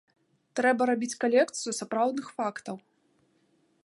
Трэба рабіць калекцыю сапраўдных фактаў.